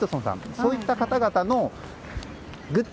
そういった方々のグッズ。